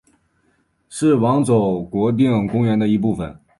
是网走国定公园的一部分。